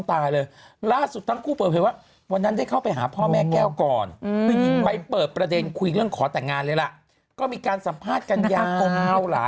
อ้าวหลายชั่วโมงเลยแหละ